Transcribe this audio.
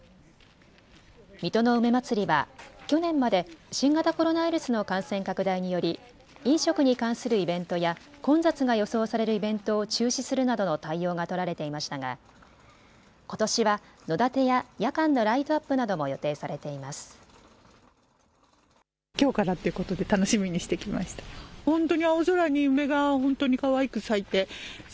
水戸の梅まつりは去年まで新型コロナウイルスの感染拡大により飲食に関するイベントや混雑が予想されるイベントを中止するなどの対応が取られていましたがことしは野だてや夜間のライトアップなども予定されています。